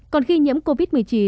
còn khi nhiễm covid một mươi chín